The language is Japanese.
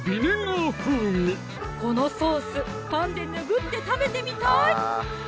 このソースパンで拭って食べてみたい！